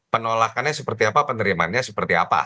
penolakannya seperti apa penerimaannya seperti apa